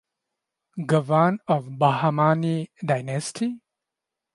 Gavan of Bahamani dynasty.